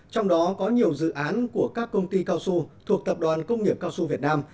trong đó có nhiều dự án của các công ty cao su thuộc tập đoàn công nghiệp cao su việt nam